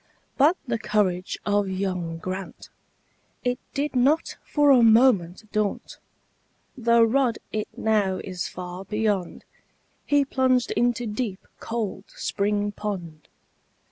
But the courage of young Grant, It did not for a moment daunt, Though rod it now is far beyond, He plunged into deep, cold spring pond.